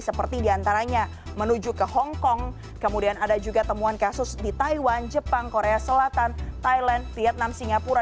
seperti diantaranya menuju ke hongkong kemudian ada juga temuan kasus di taiwan jepang korea selatan thailand vietnam singapura